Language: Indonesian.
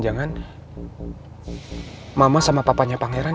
tujuan mama nemuin gue sama pangeran sama papanya pangeran